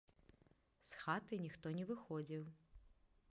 З хаты ніхто не выходзіў.